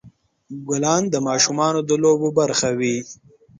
ګلان د ماشومان د لوبو برخه وي.